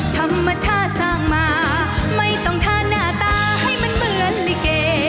ธรรมชาติสร้างมาไม่ต้องทานหน้าตาให้มันเหมือนลิเก